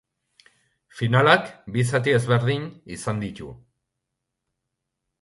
Finalak bi zati ezberdin izan ditu.